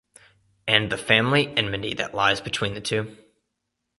And the family enmity that lies between the two.